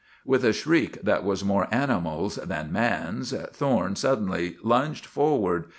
_" With a shriek that was more animal's than man's, Thorne suddenly lunged forward.